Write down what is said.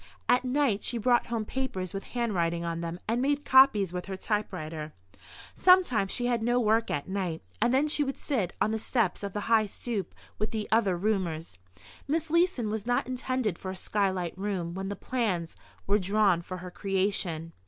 At night she brought home papers with handwriting on them and made copies with her typewriter. Sometimes she had no work at night, and then she would sit on the steps of the high stoop with the other roomers. Miss Leeson was not intended for a sky light room when the plans were drawn for her creation.